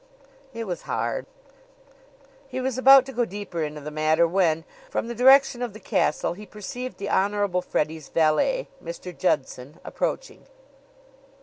It was hard. He was about to go deeper into the matter when, from the direction of the castle, he perceived the Honorable Freddie's valet Mr. Judson approaching.